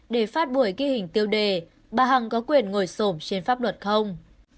để phát buổi ghi hình tiêu đề bà hằng có quyền ngồi sổm trên pháp luật không